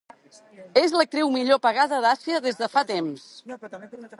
És l'actriu millor pagada d'Àsia des de fa temps.